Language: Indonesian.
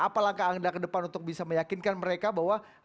apa langkah anda ke depan untuk bisa meyakinkan mereka bahwa